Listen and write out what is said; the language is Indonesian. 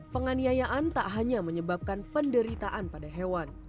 penganiayaan tak hanya menyebabkan penderitaan